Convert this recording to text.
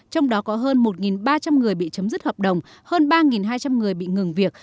trong đó có hơn một ba trăm linh người bị chấm dứt hợp đồng hơn ba hai trăm linh người bị ngừng việc